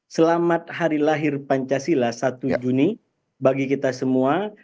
selamat hari lahir pancasila satu juni bagi kita semua